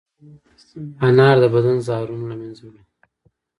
انار د بدن زهرونه له منځه وړي.